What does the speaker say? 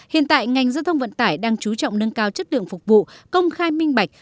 hiện tại ngành giao thông vận tải đang chú trọng nâng cao chất lượng phục vụ công khai minh bạch